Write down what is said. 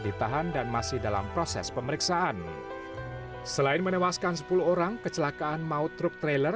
ditahan dan masih dalam proses pemeriksaan selain menewaskan sepuluh orang kecelakaan maut truk trailer